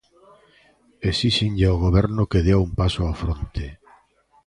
Esíxenlle ao Goberno que dea un paso á fronte.